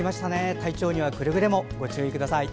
体調にはくれぐれもご注意ください。